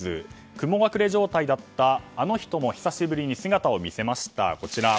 雲隠れ状態だったあの人も久しぶりに姿を見せました。